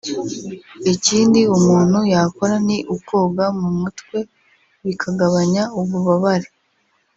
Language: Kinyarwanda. Ikindi umuntu yakora ni ukoga mu mutwe bikagabanya ububabare